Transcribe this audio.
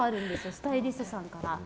スタイリストさんから。